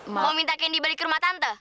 mau minta kendi balik ke rumah tante